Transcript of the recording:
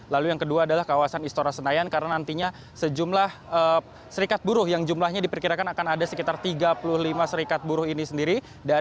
lalu yang kedua adalah kawasan istora senayan karena nantinya sejumlah serikat buruh yang jumlahnya diperkirakan akan ada sekitar tiga puluh lima serikat buruh ini sendiri